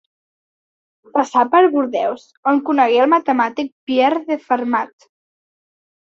Passà per Bordeus, on conegué el matemàtic Pierre de Fermat.